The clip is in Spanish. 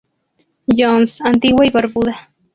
John's, Antigua y Barbuda